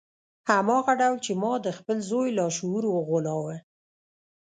هماغه ډول چې ما د خپل زوی لاشعور وغولاوه